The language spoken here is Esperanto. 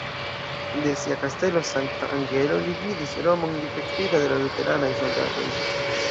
De sia kastelo Sankta-Angelo, li vidis Romon difektita de la luteranaj soldatoj.